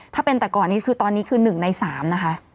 ถ้าเป็นแต่ก่อนนี้คือตอนนี้คือ๑ใน๓นะคะ